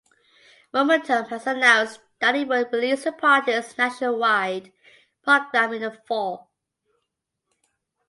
Momentum has announced that it will release the party’s nationwide program in the fall.